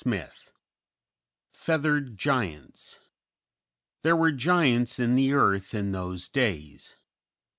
] VIII FEATHERED GIANTS _"There were giants in the earth in those days."